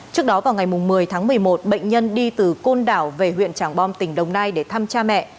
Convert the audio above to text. trước đó vào ngày một mươi tháng một mươi một bệnh nhân đi từ côn đảo về huyện tràng bom tỉnh đồng nai để thăm cha mẹ